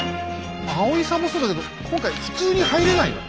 青井さんもそうだけど今回普通に入れないの？